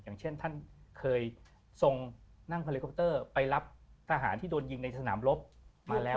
อย่างเช่นท่านเคยทรงนั่งเฮลิคอปเตอร์ไปรับทหารที่โดนยิงในสนามรบมาแล้ว